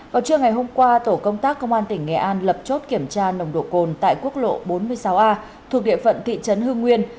vào trưa ngày hôm qua tổ công tác công an tỉnh nghệ an lập chốt kiểm tra nồng độ cồn tại quốc lộ bốn mươi sáu a thuộc địa phận thị trấn hương nguyên